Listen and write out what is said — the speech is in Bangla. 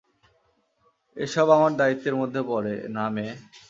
এসব আমার দায়িত্বের মধ্যে পড়ে না, মে।